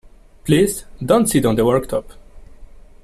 Please don't sit on the worktop!